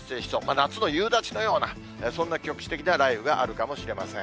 夏の夕立のような、そんな局地的な雷雨があるかもしれません。